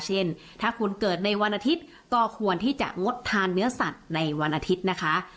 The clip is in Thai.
เช่นถ้าคุณเกิดในวันอาทิตย์ก็ควรที่จะงดทานเนื้อสัตว์ในวันอาทิตย์นะคะ